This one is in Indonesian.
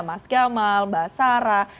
mas gamal mbak sarah